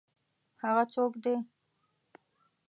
هغه څوک دی؟